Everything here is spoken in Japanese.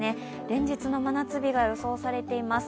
連日の真夏日が予想されています。